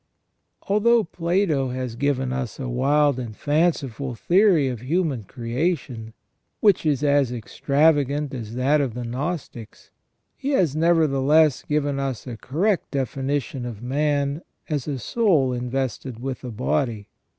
Although Plato has given us a wild and fanciful theory of human creation, which is as extravagant as that of the Gnostics, he has nevertheless given us a correct definition of man as a soul in vested with a body.